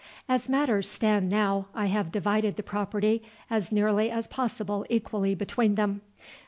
"As matters stand now, I have divided the property as nearly as possible equally between them.